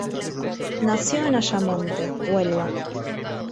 Nació en Ayamonte, Huelva.